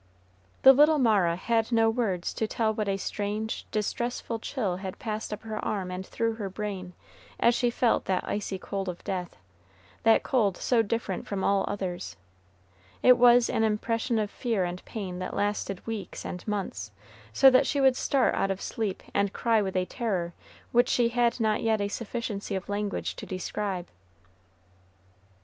The little Mara had no words to tell what a strange, distressful chill had passed up her arm and through her brain, as she felt that icy cold of death, that cold so different from all others. It was an impression of fear and pain that lasted weeks and months, so that she would start out of sleep and cry with a terror which she had not yet a sufficiency of language to describe.